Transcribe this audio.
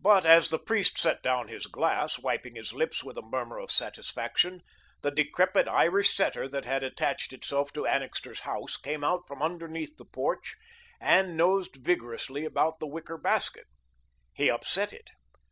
But as the priest set down his glass, wiping his lips with a murmur of satisfaction, the decrepit Irish setter that had attached himself to Annixter's house came out from underneath the porch, and nosed vigorously about the wicker basket. He upset it.